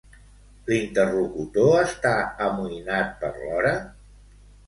L'interlocutor està amoïnat per l'hora?